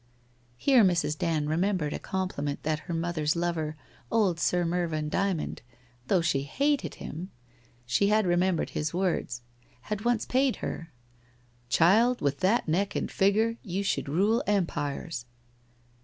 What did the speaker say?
Here Mrs. Dand remembered a compliment that her mother's lover, old Sir Mervyn Dymond — though she hated him; she had remembered his words — had once paid her :' Child, with that neck and figure you should rule empire !